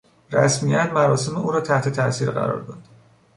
رسمیت مراسم او را تحت تاثیر قرار داد.